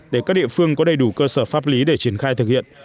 để các địa phương có đầy đủ cơ sở pháp lý để triển khai thực hiện